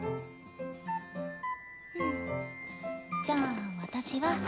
じゃあ私は。